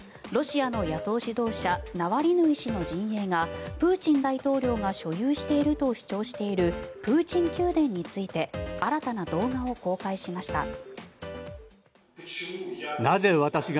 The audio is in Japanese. ロシアの野党指導者ナワリヌイ氏の陣営がプーチン大統領が所有していると主張しているプーチン宮殿について新たな動画を公開しました。